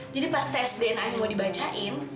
jadi pas tes dna ini mau dibacain